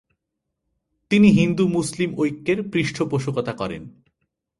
তিনি হিন্দু-মুসলিম ঐক্যের পৃষ্ঠপোষকতা করেন।